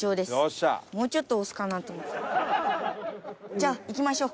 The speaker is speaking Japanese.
じゃあ行きましょう！